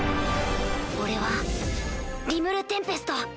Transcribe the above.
俺はリムル＝テンペスト。